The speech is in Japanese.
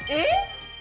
えっ！？